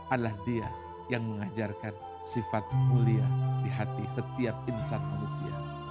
adalah dia yang mengajarkan sifat mulia di hati setiap insan manusia